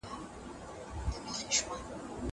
آیا تېرې پروسې د اوسني حالت په پوهه کي مرسته کوي؟